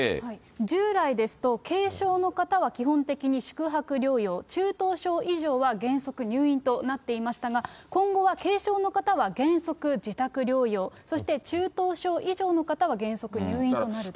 従来ですと、軽症の方は基本的に宿泊療養、中等症以上は原則入院となっていましたが、今後は軽症の方は原則自宅療養、そして中等症以上の方は原則入院となると。